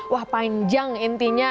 wah panjang intinya